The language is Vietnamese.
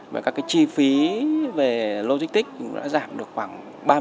và các chi phí về logistics cũng đã giảm được khoảng ba mươi